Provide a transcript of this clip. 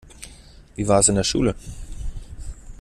Wie war es in der Schule?